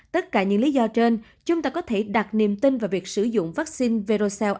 tất cả những lý do trên chúng ta có thể đặt niềm tin vào việc sử dụng vắc xin verocell